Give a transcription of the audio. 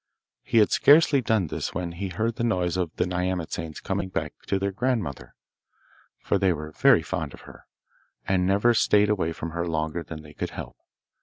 He had scarcely done this when he heard the noise of the nyamatsanes coming back to their grandmother, for they were very fond of her, and never stayed away from her longer than they could help.